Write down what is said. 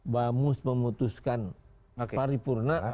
bamus memutuskan paripurna